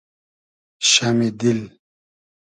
شئمی دیل